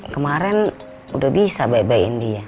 kemaren udah bisa baik baikin dia